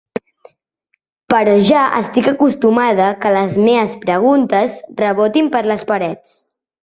Però ja estic acostumada que les meves preguntes rebotin per les parets.